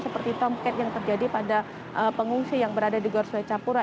seperti tomcat yang terjadi pada pengungsi yang berada di gorsoi capura